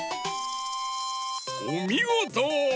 おみごと！